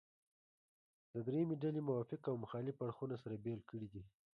درېیمې ډلې موافق او مخالف اړخونه سره بېل کړي دي.